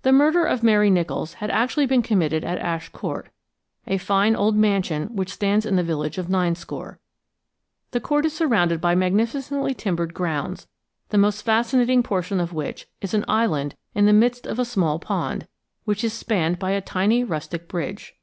The murder of Mary Nicholls had actually been committed at Ash Court, a fine old mansion which stands in the village of Ninescore. The Court is surrounded by magnificently timbered grounds, the most fascinating portion of which is an island in the midst of a small pond, which is spanned by a tiny rustic bridge.